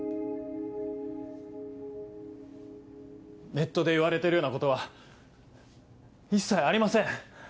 ネットでいわれているようなことは一切ありません。